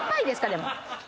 でも。